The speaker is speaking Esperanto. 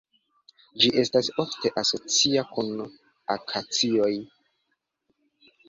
Ĝi estas ofte asocia kun akacioj.